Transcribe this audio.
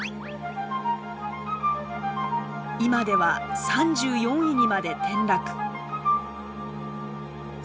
今では３４位にまで転落。